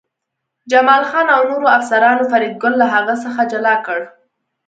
جمال خان او نورو افسرانو فریدګل له هغه څخه جلا کړ